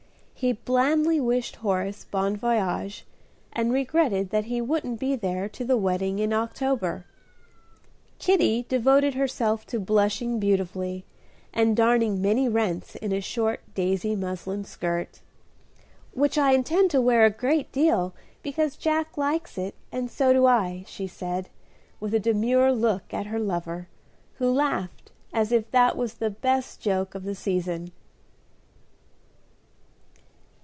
He blandly wished Horace "bon voyage," and regretted that he wouldn't be there to the wedding in October. Kitty devoted herself to blushing beautifully, and darning many rents in a short daisy muslin skirt, "which I intend to wear a great deal, because Jack likes it, and so do I," she said, with a demure look at her lover, who laughed as if that was the best joke of the season.